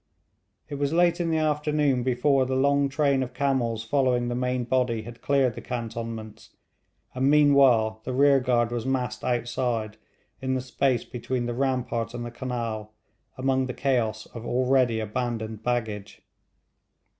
It was late in the afternoon before the long train of camels following the main body had cleared the cantonments; and meanwhile the rear guard was massed outside, in the space between the rampart and the canal, among the chaos of already abandoned baggage.